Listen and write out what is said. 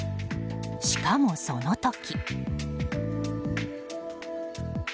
しかも、その時。